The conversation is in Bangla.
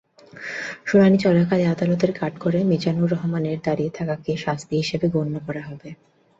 শুনানি চলাকালে আদালতের কাঠগড়ায় মিজানুর রহমানের দাঁড়িয়ে থাকাকে শাস্তি হিসেবে গণ্য করা হবে।